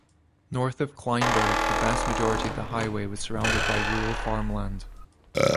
North of Kleinburg, the vast majority of the highway was surrounded by rural farmland.